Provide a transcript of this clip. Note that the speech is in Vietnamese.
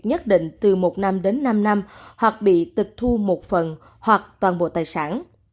nhất định từ một năm đến năm năm hoặc bị tịch thu một phần hoặc toàn bộ tài sản